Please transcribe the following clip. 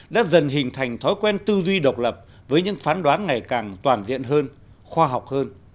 đã dần hình thành thói quen tư duy độc lập với những phán đoán ngày càng toàn diện hơn khoa học hơn